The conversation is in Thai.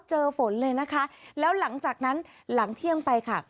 ฝนเลยนะคะแล้วหลังจากนั้นหลังเที่ยงไปค่ะ